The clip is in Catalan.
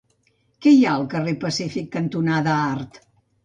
Què hi ha al carrer Pacífic cantonada Art?